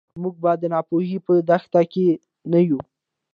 موږ به د ناپوهۍ په دښته کې نه یو.